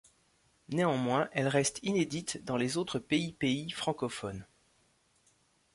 Néanmoins, elle reste inédite dans les autres pays pays francophones.